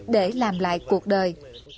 để làm lại cuộc đời